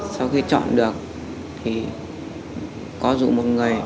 sau khi chọn được thì có dụ một người